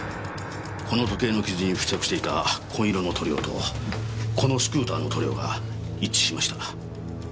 この時計の傷に付着していた紺色の塗料とこのスクーターの塗料が一致しました。